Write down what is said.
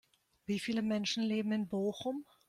Wie viele Menschen leben in Bochum?